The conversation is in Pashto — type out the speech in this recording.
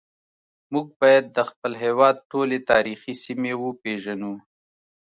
موږ باید د خپل هیواد ټولې تاریخي سیمې وپیژنو